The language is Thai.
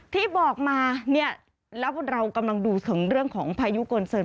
ที่บอกมาเนี่ยแล้วเรากำลังดูถึงเรื่องของพายุโกนเซิน